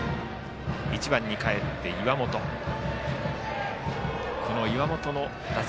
１番にかえって、岩本の打席。